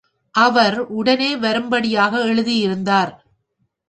அவர் உடனே வரும்படியாக எழுதியிருந்தார்.